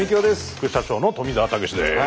副社長の富澤たけしです。